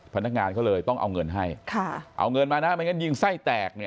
พนักงานเขาเลยต้องเอาเงินให้เอาเงินมานะไม่งั้นยิงไส้แตก